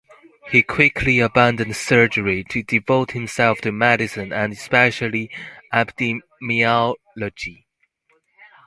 He quickly abandoned surgery to devote himself to medicine and especially epidemiology.